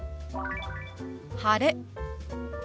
「晴れ」。